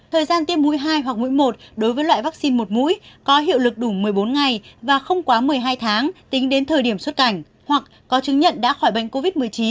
thời gian tiêm mũi hai hoặc mũi một đối với loại vaccine một mũi có hiệu lực đủ một mươi bốn ngày và không quá một mươi hai tháng tính đến thời điểm xuất cảnh hoặc có chứng nhận đã khỏi bệnh covid một mươi chín